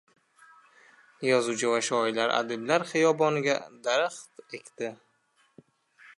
Yozuvchi va shoirlar Adiblar xiyoboniga daraxt ekdi